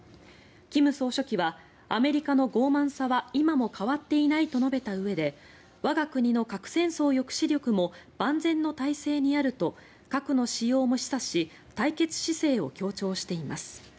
金総書記はアメリカのごう慢さは今も変わっていないと述べたうえで我が国の核戦争抑止力も万全の態勢にあると核の使用も示唆し対決姿勢を強調しています。